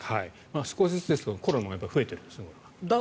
少しずつですがコロナも増えているんだそうです。